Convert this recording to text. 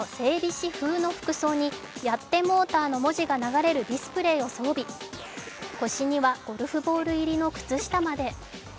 士風の服装に「ヤッテモーター」の文字が流れるディスプレイを装備、腰にはゴルフボール入りの靴下まで。